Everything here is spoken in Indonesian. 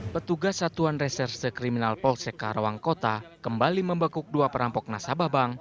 petugas satuan reserse kriminal polsek karawang kota kembali membekuk dua perampok nasabah bank